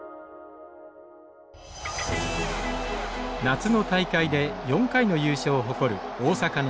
夏の大会で４回の優勝を誇る大阪のＰＬ学園。